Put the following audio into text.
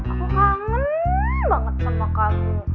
aku kangen banget sama kamu